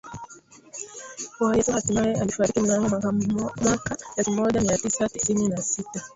wa yesu Hatimae alifariki mnamo mwaka mwaka elfumoja miatisa tisini na sita